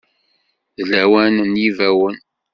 D lawan n yibawen.